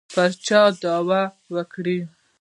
پر چا دعوه وکړي.